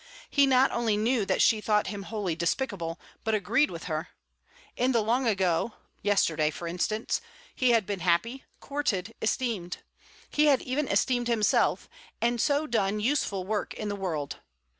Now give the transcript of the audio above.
He not only knew that she thought him wholly despicable, but agreed with her. In the long ago (yesterday, for instance) he had been happy, courted, esteemed; he had even esteemed himself, and so done useful work in the world.